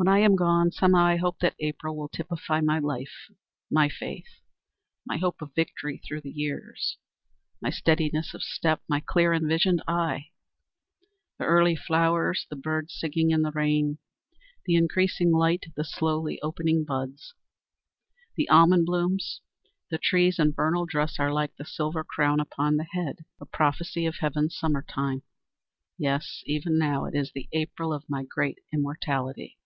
"When I am gone, somehow I hope that April Will typify my life, my faith, My hope of victory through the years, My steadiness of step, my clear and visioned eye. The early flowers, the birds Singing in the rain, The increasing light, the slowly opening buds, The almond blooms, the trees in vernal dress Are like the silver crown upon the head; A prophecy of heaven's summer time. Yes, even now it is the April Of my great immortality."